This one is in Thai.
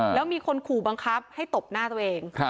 แล้วมีคนขู่บังคับให้ตบหน้าตัวเอง